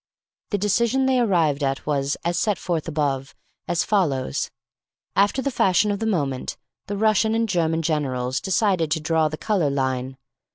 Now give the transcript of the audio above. The decision they arrived at was, as set forth above, as follows. After the fashion of the moment, the Russian and German generals decided to draw the Colour Line.